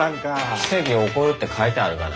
奇跡起こるって書いてあるがな。